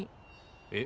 えっ？